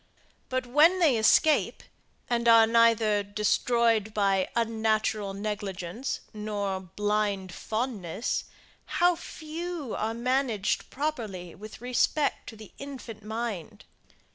But when they escape, and are neither destroyed by unnatural negligence nor blind fondness, how few are managed properly with respect to the infant mind!